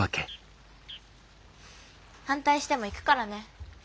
反対しても行くからね。